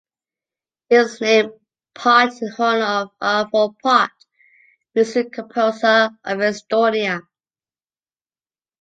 It was named Pärt in honor of Arvo Pärt, music composer of Estonia.